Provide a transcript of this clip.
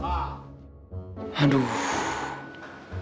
nyari warung sunda